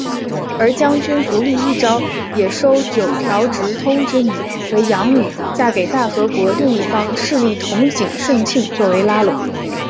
而将军足利义昭也收九条植通之女为养女嫁给大和国另一方势力筒井顺庆作为拉拢。